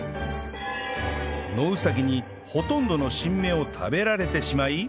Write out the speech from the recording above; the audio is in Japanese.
野ウサギにほとんどの新芽を食べられてしまい